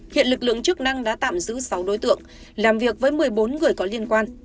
hiện lực lượng chức năng đã tạm giữ sáu đối tượng làm việc với một mươi bốn người có liên quan